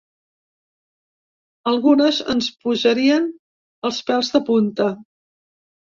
Algunes ens posarien els pèls de punta.